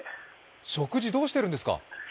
食事どうしているんですか？